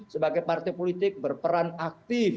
sebagai partai politik berperan aktif